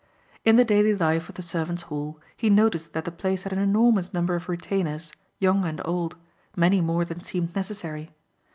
In the daily life of the servants' hall he noticed that the place had an enormous number of retainers, young and old, many more than seemed necessary.